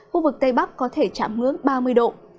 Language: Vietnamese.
khu vực tây bắc có thể chạm ngưỡng ba mươi độ